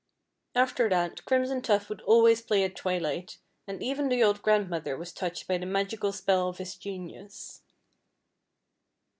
After that Crimson Tuft would always play at twilight, and even the old grandmother was touched by the magical spell of his genius.